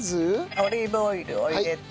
オリーブオイルを入れて。